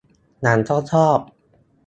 หนังก็ชอบ